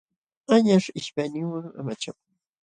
Añaśh ishpayninwan amachakun.